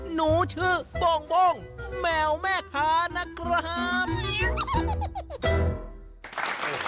หนูชื่อโบ้งแมวแม่ค้านะครับ